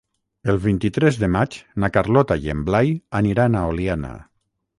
El vint-i-tres de maig na Carlota i en Blai aniran a Oliana.